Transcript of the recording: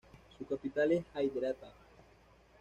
Su capital es Hyderabad.